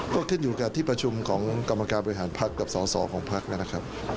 ก็ขึ้นอยู่กับที่ประชุมของกรรมการบริหารพักกับสอสอของพักนะครับ